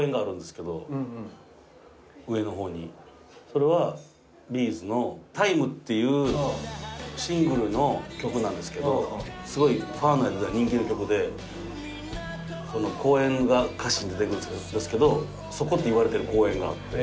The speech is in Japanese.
それはＢ’ｚの『ＴＩＭＥ』っていうシングルの曲なんですけどすごいファンの間では人気の曲でその公園が歌詞に出てくるんですけどそこっていわれてる公園があって。